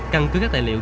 căn cứ các tài liệu